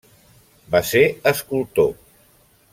Va ser escultor.